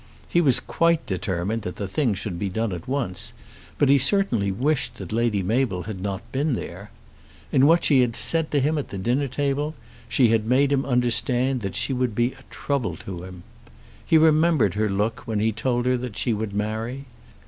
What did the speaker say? He was quite determined that the thing should be done at once, but he certainly wished that Lady Mabel had not been there. In what she had said to him at the dinner table she had made him understand that she would be a trouble to him. He remembered her look when he told her she would marry.